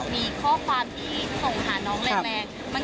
มีข้อความที่ส่งหาน้องแรง